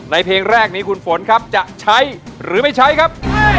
เพลงแรกนี้คุณฝนครับจะใช้หรือไม่ใช้ครับ